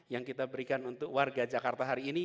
yang kita berikan untuk warga jakarta